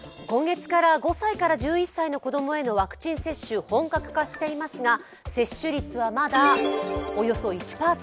今月から５歳から１１歳の子供へのワクチン接種が始まっていますが接種率はまだおよそ１％。